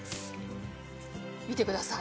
見てください。